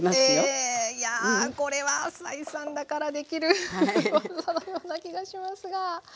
えいやこれは斉さんだからできる技のような気がしますが。